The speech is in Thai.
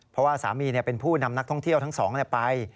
เพราะว่าสามีเป็นผู้นำนักท่องเที่ยวทั้งสองไป